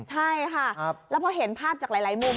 ใช่ค่ะแล้วพอเห็นภาพจากหลายมุม